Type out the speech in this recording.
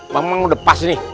memang udah pas ini